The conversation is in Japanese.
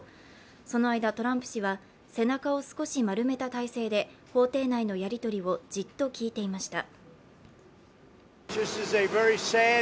その間、トランプ氏は背中を少し丸めた体勢で法廷内のやりとりをじっと聞いていました。